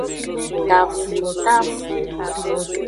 Tafutafu.